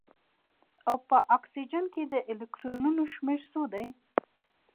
او په اکسیجن کې د الکترونونو شمیر څو دی